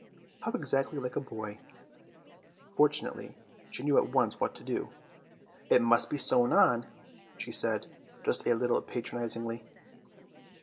How exactly like a boy! Fortunately she knew at once what to do. "It must be sewn on," she said, just a little patronisingly.